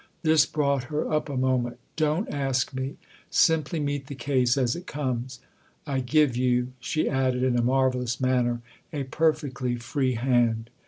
" This brought her up a moment. " Don't ask me simply meet the case as it comes. I give you," she added in a marvellous manner, " a perfectly free hand